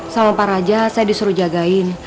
sama pak raja saya disuruh jagain